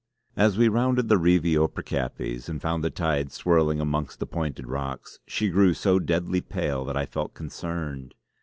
As we rounded the Reivie o' Pircappies, and found the tide swirling amongst the pointed rocks, she grew so deadly pale that I felt concerned.